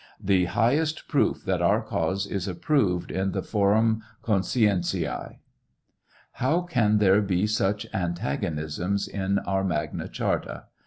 The highes proof that our cause is approved in the Jorum conscicntire. How can there be such antagonisms in our magna charta